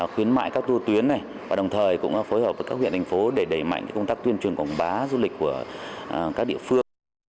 khuyến mại các tu tuyến này và đồng thời cũng phối hợp với các huyện thành phố để đẩy mạnh công tác tuyên truyền quảng bá du lịch của các địa phương